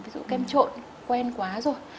ví dụ kem trộn quen quá rồi